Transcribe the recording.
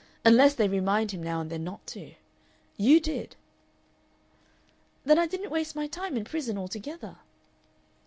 Unless they remind him now and then not to.... YOU did." "Then I didn't waste my time in prison altogether?"